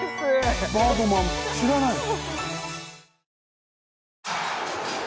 バードマン知らないの？